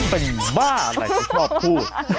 เราเป็นบ้าอะไรเราไม่ชอบพูด